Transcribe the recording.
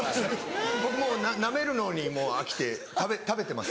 僕もうなめるのに飽きて食べてます。